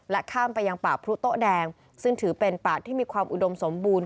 ข้ามไปยังป่าพรุโต๊ะแดงซึ่งถือเป็นป่าที่มีความอุดมสมบูรณ